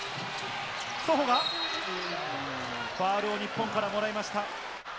ソホがファウルを日本からもらいました。